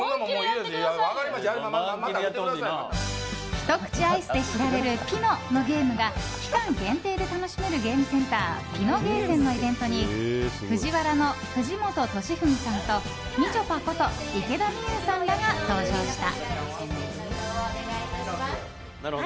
ひと口アイスで知られるピノのゲームが期間限定で楽しめるゲームセンターピノゲーセンのイベントにＦＵＪＩＷＡＲＡの藤本敏史さんとみちょぱこと池田美優さんらが登場した。